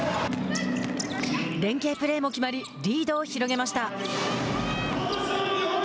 連係プレーも決まりリードを広げました。